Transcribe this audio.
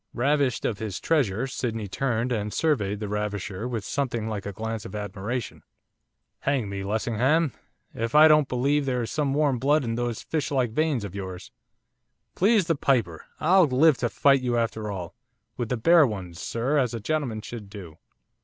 Ravished of his treasure, Sydney turned and surveyed the ravisher with something like a glance of admiration. 'Hang me, Lessingham, if I don't believe there is some warm blood in those fishlike veins of yours. Please the piper, I'll live to fight you after all, with the bare ones, sir, as a gentleman should do.